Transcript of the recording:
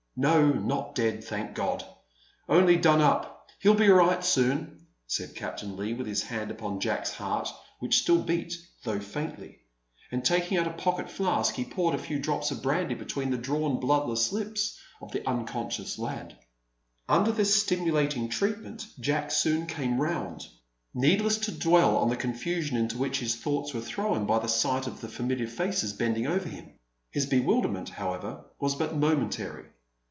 "No, not dead, thank God! Only done up. He'll be all right soon," said Captain Leigh, with his hand upon Jack's heart, which still beat, though faintly; and taking out a pocket flask he poured a few drops of brandy between the drawn, bloodless lips of the unconscious lad. Under this stimulating treatment Jack soon came round. Needless to dwell on the confusion into which his thoughts were thrown by the sight of the familiar faces bending over him. His bewilderment, however, was but momentary.